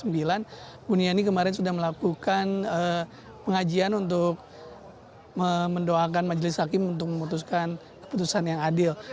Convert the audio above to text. buniani kemarin sudah melakukan pengajian untuk mendoakan majelis hakim untuk memutuskan keputusan yang adil